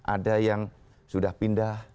ada yang sudah pindah